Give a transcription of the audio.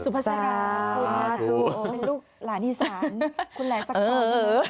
เป็นลูกหลานี่สานคุณอายั้นสักตอน